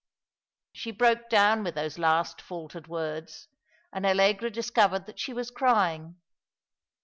She broke down with those last faltered words, and Allegra discovered that she was crying.